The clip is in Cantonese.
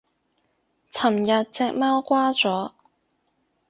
琴日隻貓掛咗